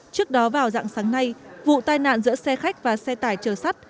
trước đó vào dạng sáng nay vụ tai nạn giữa xe khách và xe tải chờ sắt